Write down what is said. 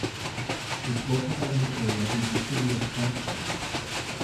Its local government area is the City of Frankston.